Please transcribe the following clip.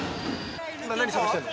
今何探してるの？